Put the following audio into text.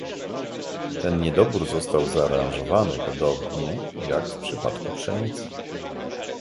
Ten niedobór został zaaranżowany, podobnie jak w przypadku pszenicy